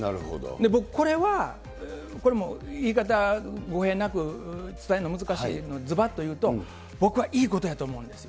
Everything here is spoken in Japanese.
僕、これは、これも言い方、語弊なく伝えるのが難しいんですが、ずばっと言うと、僕はいいことやと思うんですよ。